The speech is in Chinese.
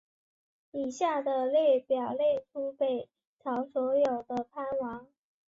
以下的列表列出北朝所有的藩王。